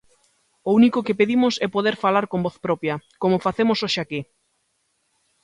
"O único que pedimos é poder falar con voz propia, como facemos hoxe aquí".